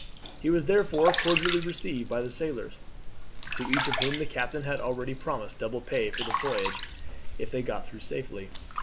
He was therefore cordially received by the sailors, to each of whom the captain had already promised double pay for the voyage if they got through safely.